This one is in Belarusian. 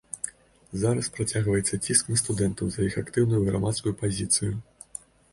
Зараз працягваецца ціск на студэнтаў за іх актыўную грамадскую пазіцыю.